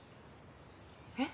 えっ？